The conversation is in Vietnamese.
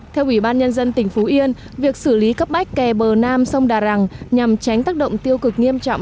theo ủy ban nhân dân tỉnh phú yên việc xử lý cấp bách kè bờ nam sông đà rằng nhằm tránh tác động tiêu cực nghiêm trọng